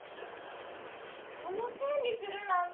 ひとのせいにするなんて。